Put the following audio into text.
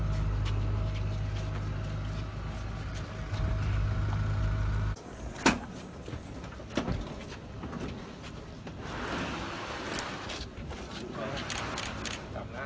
สุดท้ายสุดท้ายสุดท้าย